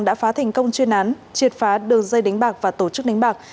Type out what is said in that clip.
đã phá thành công chuyên án triệt phá đường dây đánh bạc và tổ chức đánh bạc